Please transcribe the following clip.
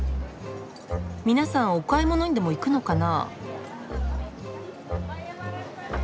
皆さんお買い物にでも行くのかな？